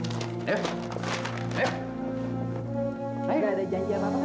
nggak ada janji sama mana ya